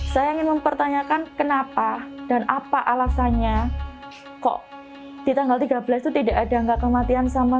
saya ingin mempertanyakan kenapa dan apa alasannya kok di tanggal tiga belas itu tidak ada enggak kematian sama